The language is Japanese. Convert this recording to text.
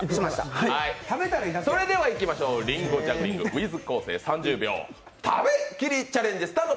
それではいきましょうりんごジャグリングｗｉｔｈ昴生３０秒食べきりチャレンジスタート！